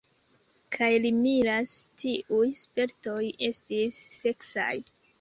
Kaj li miras: tiuj spertoj estis seksaj.